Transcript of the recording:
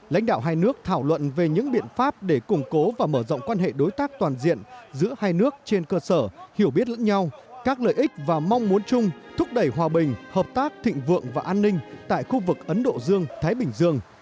lãnh đạo hai nước thảo luận về những biện pháp để củng cố và mở rộng quan hệ đối tác toàn diện giữa hai nước trên cơ sở hiểu biết lẫn nhau các lợi ích và mong muốn chung thúc đẩy hòa bình hợp tác thịnh vượng và an ninh tại khu vực ấn độ dương thái bình dương